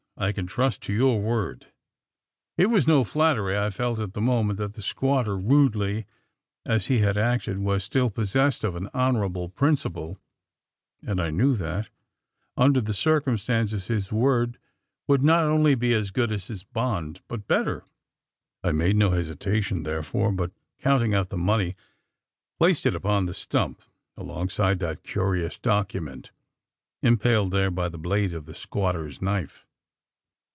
I can trust to your word." It was no flattery: I felt at the moment that the squatter rudely as he had acted was still possessed of an honourable principle; and I knew that, under the circumstances, his word would not only be as good as his bond, but better! I made no hesitation, therefore; but, counting out the money, placed it upon the stump alongside that curious document, impaled there by the blade of the squatter's knife.